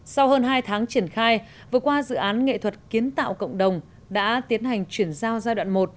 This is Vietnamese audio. sau hơn hai tháng triển khai vừa qua dự án nghệ thuật kiến tạo cộng đồng đã tiến hành chuyển giao giai đoạn một